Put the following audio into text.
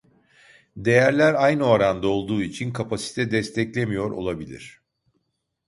Değerler aynı oranda olduğu için kapasite desteklemiyor olabilir